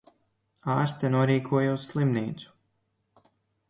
Ārste norīkoja uz slimnīcu...